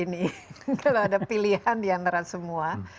kalau ada pilihan di antara semua